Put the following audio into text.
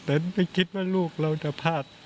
แต่ไม่คิดว่าลูกเราจะพลาด